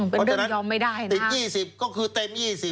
เป็นเรื่องยอมไม่ได้นะครับเพราะฉะนั้นติด๒๐ก็คือเต็ม๒๐